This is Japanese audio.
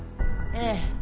ええ。